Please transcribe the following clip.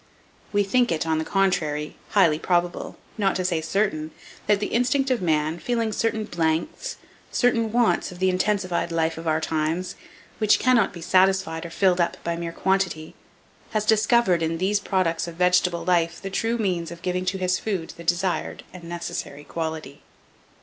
We think it, on the contrary, highly probable, not to say certain, that the instinct of man, feeling certain blanks, certain wants of the intensified life of our times, which cannot be satisfied or filled up by mere quantity, has discovered, in these products of vegetable life the true means of giving to his food the desired and necessary quality.